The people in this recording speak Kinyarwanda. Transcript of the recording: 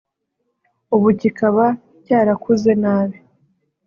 ubu kikaba cyarakuze nabi